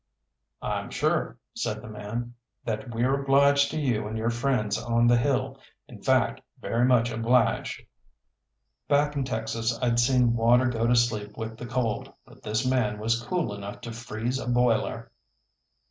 "I'm sure," said the man, "that we're obliged to you and your friends on the hill. In fact, very much obliged." Back in Texas I'd seen water go to sleep with the cold, but this man was cool enough to freeze a boiler.